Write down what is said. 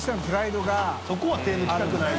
そこは手を抜きたくない。